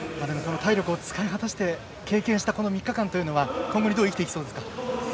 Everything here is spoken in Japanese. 体力を使い果たして経験した３日間というのは今後にどう生きていきそうですか。